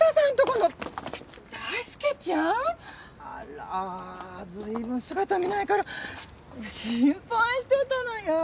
あら随分姿を見ないから心配してたのよ。